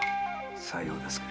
さようですかい。